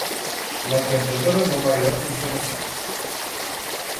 L'encantadora no va arribar fins a les set.